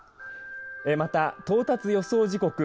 また、到達予想時刻